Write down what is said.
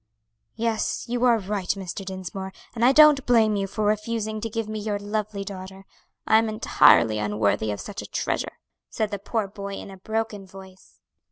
"Yes, you are right, Mr. Dinsmore, and I don't blame you for refusing to give me your lovely daughter; I'm entirely unworthy of such a treasure," said the poor boy in a broken voice.